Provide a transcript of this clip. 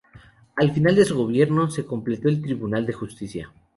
Al final de su gobierno, se completó el Tribunal de Justicia.